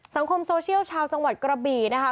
สังคมโซเชียลชาวจังหวัดกระบี่นะคะ